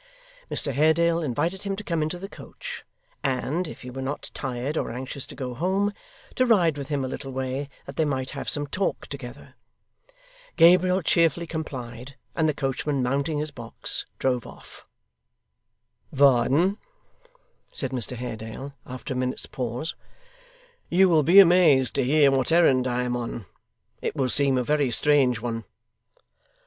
Mr Haredale invited him to come into the coach, and, if he were not tired or anxious to go home, to ride with him a little way that they might have some talk together. Gabriel cheerfully complied, and the coachman mounting his box drove off. 'Varden,' said Mr Haredale, after a minute's pause, 'you will be amazed to hear what errand I am on; it will seem a very strange one.